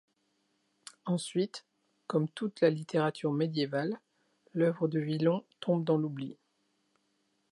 Ensuite, comme toute la littérature médiévale, l’œuvre de Villon tombe dans l'oubli.